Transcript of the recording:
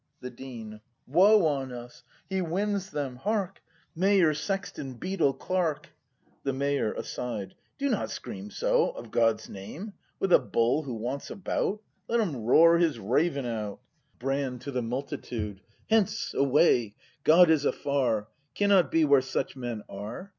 The Dean. Woe on us! He wins them — hark! Mayor, sexton, beadle, clerk! The Mayor. [Aside.] Do not scream so, o' God's name! With a bull who wants a bout .'* Let him roar his ravin out! Brand, [To tJie multitude.] Hence — away! God is afar! Cannot be where such men are!